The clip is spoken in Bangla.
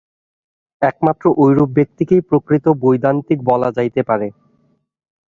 একমাত্র ঐরূপ ব্যক্তিকেই প্রকৃত বৈদান্তিক বলা যাইতে পারে।